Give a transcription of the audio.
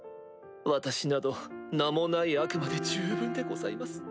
私など名もない悪魔で十分でございます。